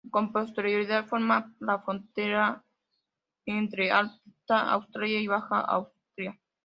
Con posterioridad forma la frontera entre Alta Austria y Baja Austria.